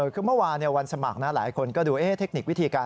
คือเมื่อวานวันสมัครหลายคนก็ดูเทคนิควิธีการ